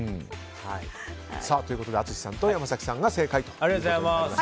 ということで淳さんと山崎さんが正解と。